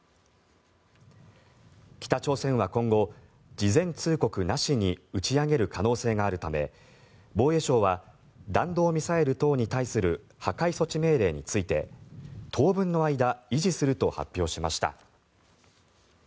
北朝鮮は今後、事前通告なしに打ち上げる可能性があるため防衛省は弾道ミサイル等に対する破壊措置命令について当分の間維持すると発表しました。